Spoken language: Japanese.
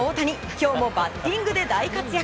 今日もバッティングで大活躍。